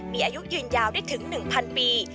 มีอายุยืนยาวได้ถึง๑๐๐ปี